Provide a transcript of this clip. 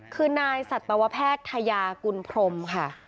คือนายสัตวแพทยากุลพรมค่ะ